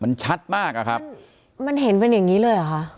มันชัดมากอะครับมันเห็นเป็นอย่างงี้เลยเหรอคะ